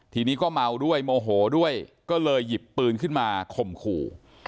ทีนี้ก็เมาด้วยโมโหด้วยก็เลยหยิบปืนขึ้นมาข่มขู่